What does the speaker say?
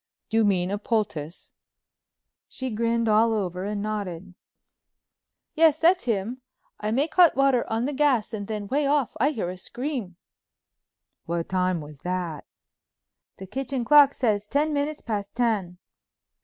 "Do you mean a poultice?" She grinned all over and nodded. "Yes, that's him. I make hot water on the gas, and then, way off, I hear a scream." "What time was that?" "The kitchen clock says ten minutes past ten."